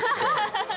ハハハ！